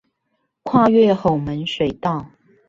跨越吼門水道